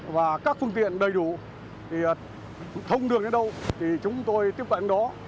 và các phương tiện đầy đủ thì thông đường đến đâu thì chúng tôi tiếp cận đó